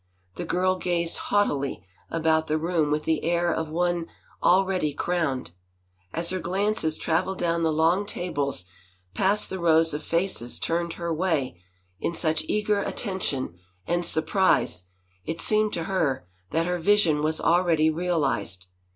The girl gazed haughtily about the room with the air of one already crowned. As her glances traveled down the long tables past the rows of faces turned her way in such eager attention and sur prise, it seemed to her that her vision was already real ized.